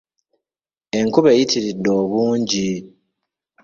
Enkuba eyitiridde obungi.